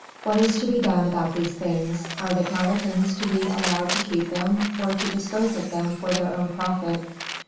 What is to be done about these things? Are the calotins to be allowed to keep them or to dispose of them for their own profit?